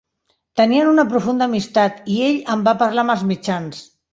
Tenien una profunda amistat i ell en va parlar amb els mitjans.